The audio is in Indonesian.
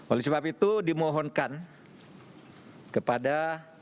oleh sebab itu dimohonkan kepada